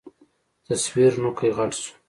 تصوير نوکى غټ سو.